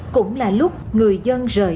cũng là lúc người dân rời